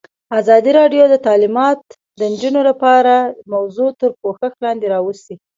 ازادي راډیو د تعلیمات د نجونو لپاره موضوع تر پوښښ لاندې راوستې.